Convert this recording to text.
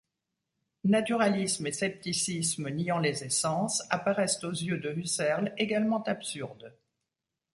Naturalisme et scepticisme niant les essences apparaissent aux yeux de Husserl également absurdes.